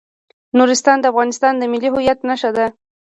نورستان د افغانستان د ملي هویت نښه ده.